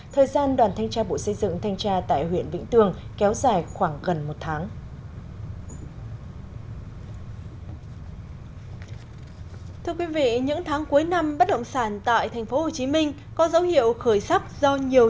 thời gian đoàn thanh tra bộ xây dựng thanh tra tại huyện vĩnh tường kéo dài khoảng gần một tháng